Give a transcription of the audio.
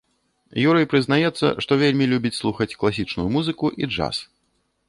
Юрый прызнаецца, што вельмі любіць слухаць класічную музыку і джаз.